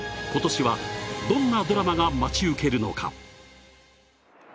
今年はどんなドラマが待ち受けるのか。